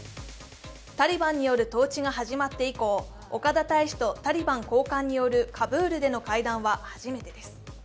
タリバンによる統治が始まって以降、岡田大使とタリバン高官によるカブールでの会談は初めてです。